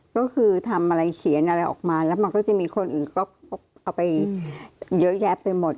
ก็คือทำอะไรเขียนอะไรออกมาแล้วมันก็จะมีคนอื่นก็เอาไปเยอะแยะไปหมด